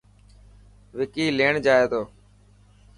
وڪي ليڻ جائي تو.